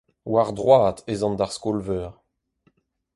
War droad ez an d'ar skol-veur.